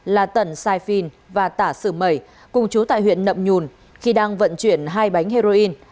là tẩn sai phìn và tả sử mẩy cùng chú tại huyện nậm nhùn khi đang vận chuyển hai bánh heroin